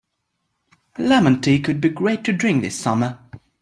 A lemon tea could be great to drink this summer.